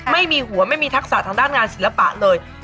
ไม่มีหัวไม่มีทักษะทางด้านงานศิลปะเลย